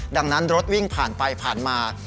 ดังนั้นรถวิ่งผ่านไปผ่านมา